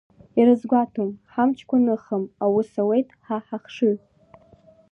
Ирызгәаҭом, ҳамчқәа ныхым, аус ауеит ҳа ҳахшыҩ.